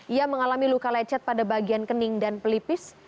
ia mengalami luka lecet pada bagian kening dan pelipis